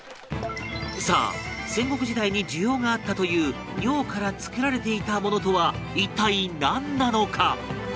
さあ戦国時代に需要があったという尿から作られていたものとは一体なんなのか？